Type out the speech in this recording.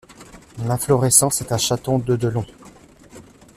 L'inflorescence est un chaton de de long.